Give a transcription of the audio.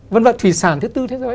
vân vận thủy sản thứ tư thế giới